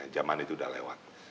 zaman itu udah lewat